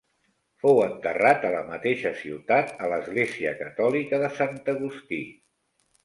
Fou enterrat a la mateixa ciutat a l'església catòlica de Sant Agustí.